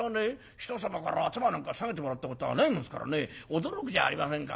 人様から頭なんか下げてもらったことはないんですから驚くじゃありませんか。